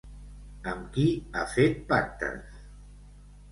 Amb qui ha fet pactes?